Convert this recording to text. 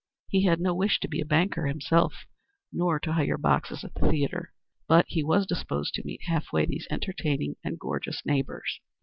He had no wish to be a banker himself, nor to hire boxes at the theatre, but he was disposed to meet half way these entertaining and gorgeous neighbors.